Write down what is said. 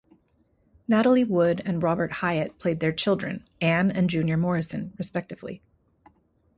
Natalie Wood and Robert Hyatt played their children, Ann and Junior Morrison, respectively.